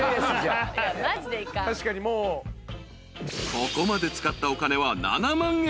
［ここまで使ったお金は７万円］